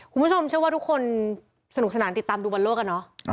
คุณผู้ชมเชื่อว่าทุกคนสนุกสนานติดตามดูบอลโลกอะเนาะ